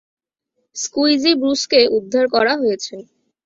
Squeegee ব্রুসকে উদ্ধার করা হয়েছে।